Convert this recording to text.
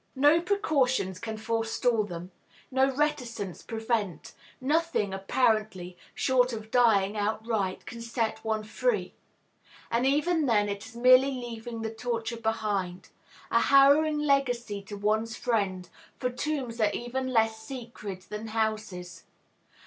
No precautions can forestall them, no reticence prevent; nothing, apparently, short of dying outright, can set one free. And even then it is merely leaving the torture behind, a harrowing legacy to one's friends; for tombs are even less sacred than houses.